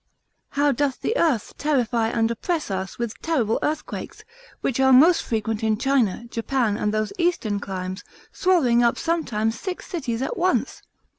How doth the earth terrify and oppress us with terrible earthquakes, which are most frequent in China, Japan, and those eastern climes, swallowing up sometimes six cities at once?